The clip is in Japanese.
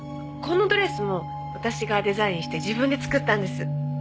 このドレスも私がデザインして自分で作ったんです。